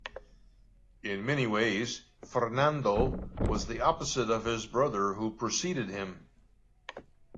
In many ways, Ferdinando was the opposite of his brother who preceded him.